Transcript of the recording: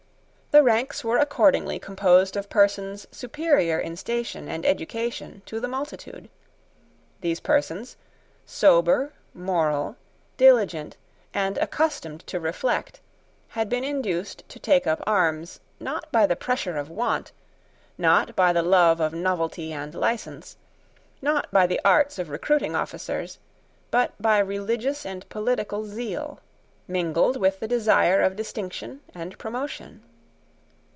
The ranks were accordingly composed of persons superior in station and education to the multitude. These persons, sober, moral, diligent, and accustomed to reflect, had been induced to take up arms, not by the pressure of want, not by the love of novelty and license, not by the arts of recruiting officers, but by religious and political zeal, mingled with the desire of distinction and promotion.